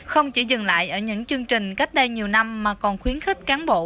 không chỉ dừng lại ở những chương trình cách đây nhiều năm mà còn khuyến khích cán bộ